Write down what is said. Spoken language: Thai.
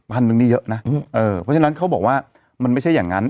นึงนี่เยอะนะเออเพราะฉะนั้นเขาบอกว่ามันไม่ใช่อย่างนั้น